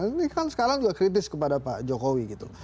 ini kan sekarang juga kritis kepada pak jokowi gitu